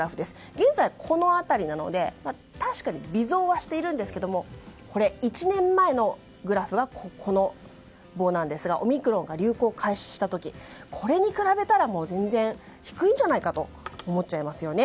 現在、この辺りなので確かに微増はしているんですが１年前のグラフはこの棒なんですがオミクロンが流行を開始した時にこれに比べたら全然低いんじゃないかと思っちゃいますよね。